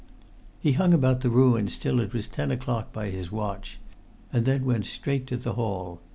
He hung about the ruins till it was ten o'clock by his watch, and then went straight to the hall.